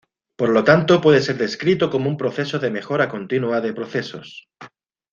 Por lo tanto, puede ser descrito como un proceso de mejora continua de procesos.